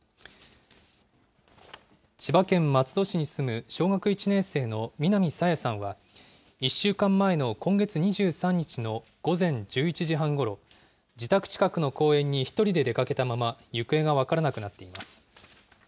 千葉県松戸市に住む小学１年生の南朝芽さんは１週間前の今月２３日の午前１１時半ごろ、自宅近くの公園に１人で出かけたまま、行方が分からなくなっています。